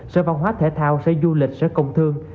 sẽ văn hóa thể thao sẽ du lịch sẽ công thương